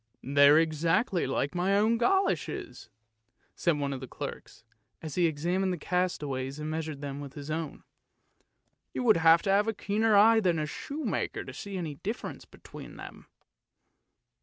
" They're exactly like my own goloshes," said one of the clerks, as he examined the castaways and measured them with his own. ' You would have to have a keener eye than a shoe maker to see any difference between them!